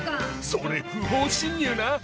それ不法侵入な。